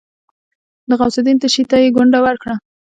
د غوث الدين تشي ته يې ګونډه ورکړه.